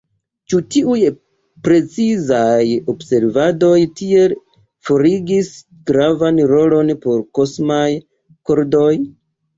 Ĉi-tiuj precizaj observadoj tiel forigis gravan rolon por kosmaj kordoj.